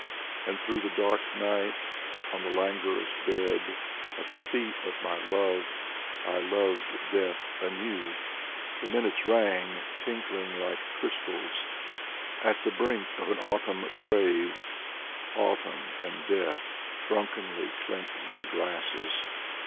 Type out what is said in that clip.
And through the dark night. On the languorous bed, At the feet of my love, I loved death anew. The minutes rang tinkling like crystals At the brink of an autumn grave : Autumn and Death drunkenly clinked their glasses.